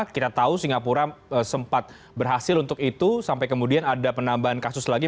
kita tahu singapura sempat berhasil untuk itu sampai kemudian ada penambahan kasus lagi